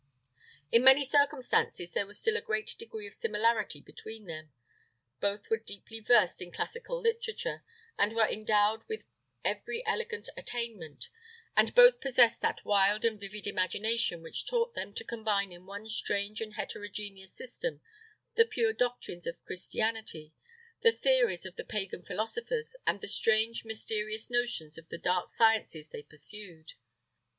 In many circumstances there was still a great degree of similarity between them: both were deeply versed in classical literature, and were endowed with every elegant attainment; and both possessed that wild and vivid imagination which taught them to combine in one strange and heterogeneous system the pure doctrines of Christianity, the theories of the Pagan philosophers, and the strange, mysterious notions of the dark sciences they pursued.